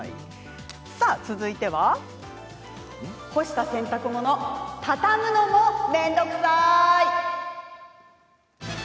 続いては干した洗濯物畳むのも面倒くさい。